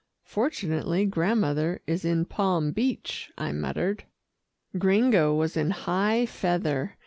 "Fortunately, Grandmother is in Palm Beach," I muttered. Gringo was in high feather.